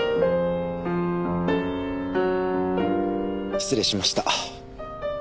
失礼しました。